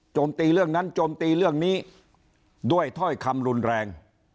ตีเรื่องนั้นโจมตีเรื่องนี้ด้วยถ้อยคำรุนแรง